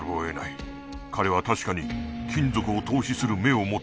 彼は確かに金属を透視する目を持っている。